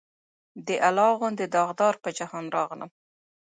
د الله غوندې داغدار پۀ جهان راغلم